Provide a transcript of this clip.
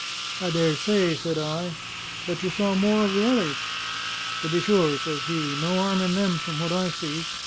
"I daresay," said I. "But you saw more of the others?" "To be sure," says he: "no 'arm in them from what I see.